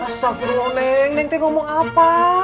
astaghfirullah nenk nenk teh ngomong apa